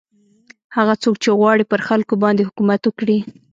هغه څوک چې غواړي پر خلکو باندې حکومت وکړي.